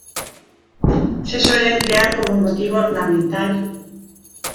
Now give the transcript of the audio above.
Se suele emplear como motivo ornamental.